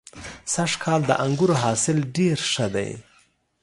سږ کال د انګورو حاصل ډېر ښه دی.